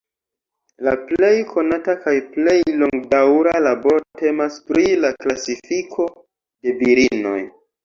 La plej konata kaj plej longdaŭra laboro temas pri la klasifiko de virinoj.